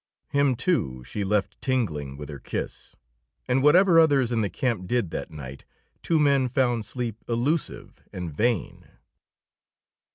Him, too, she left tingling with her kiss, and whatever others in the camp did that night, two men found sleep elusive and vain.